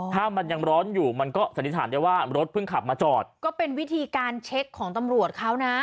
ถ้ามันยังร้อนอยู่มันก็สันนิษฐานได้ว่ารถเพิ่งขับมาจอดก็เป็นวิธีการเช็คของตำรวจเขานะ